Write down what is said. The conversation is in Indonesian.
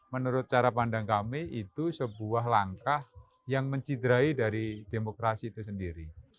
menurut cara pandang kami itu sebuah langkah yang mencidrai dari demokrasi itu sendiri